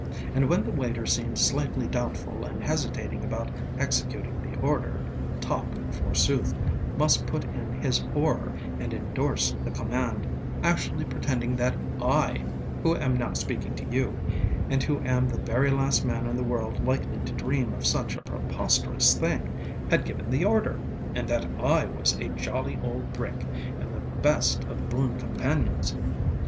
And when the waiter seemed slightly doubtful and hesitating about executing the order, Topp, forsooth, must put in his oar, and indorse the command, actually pretending that I, who am now speaking to you, and who am the very last man in the world likely to dream of such a preposterous thing, had given the order, and that I was a jolly old brick, and the best of boon companions.